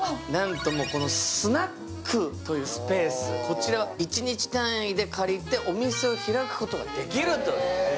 スナックというスペースこちら一日単位で借りてお店を開くことができるという。